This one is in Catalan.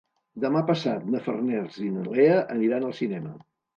Demà passat na Farners i na Lea aniran al cinema.